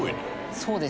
そうです。